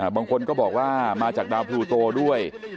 บางคนก็บอกว่ามาจากดาวพลูโตด้วย